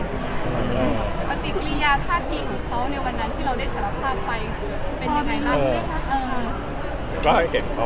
สงสัยกับจุดเขาในวันนั้นที่เราได้ถัดแล้วพาไปเป็นยังไงล่ะ